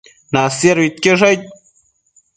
Nasiaduidquiosh aid